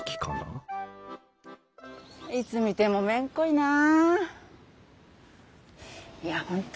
いつ見てもめんこいなあ。